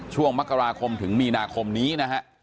ช่วงมกราคมถึงมีนาคมนี้นะฮะ